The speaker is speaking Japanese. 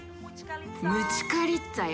ムチュカリッツァよ。